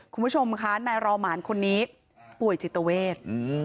คุณผู้ชมค่ะนายรอหมานคนนี้ป่วยจิตเวท